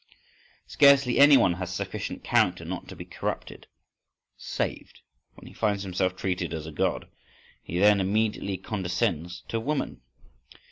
Scarcely any one has sufficient character not to be corrupted—"saved" when he finds himself treated as a God—he then immediately condescends to woman.